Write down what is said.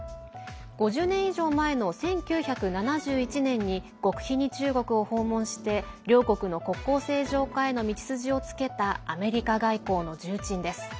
５０年以上前の１９７１年に極秘に中国を訪問して両国の国交正常化への道筋をつけたアメリカ外交の重鎮です。